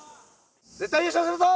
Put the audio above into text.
絶対優勝するぞ！